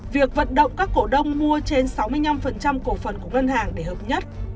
việc vận động các cổ đông mua trên sáu mươi năm cổ phần của ngân hàng để hợp nhất